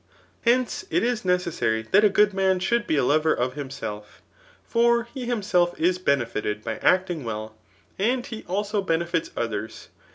Hence, it is necessary that a good man should be a lover of himself^ for he htmsdf is bmefited by acdng well, and he also benefits others.